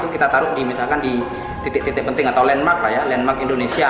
kita menaruh pokemon di titik titik penting atau landmark indonesia